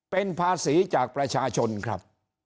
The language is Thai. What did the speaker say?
เป็นภาษีจากประชาชนครับ